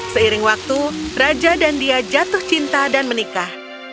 seiring waktu raja dan dia jatuh cinta dan menikah